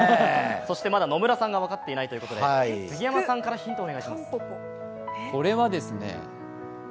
そしてまだ野村さんが分かっていないということで、ヒントをお願いします。